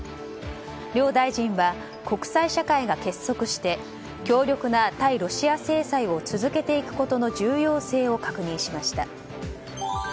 両大臣は、国際社会が結束して強力な対ロシア制裁を続けていくことの重要性を確認しました。